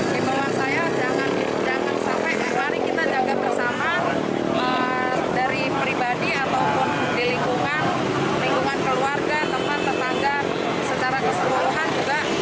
himbawan saya jangan sampai mari kita jaga bersama dari pribadi ataupun di lingkungan lingkungan keluarga teman tetangga secara keseluruhan juga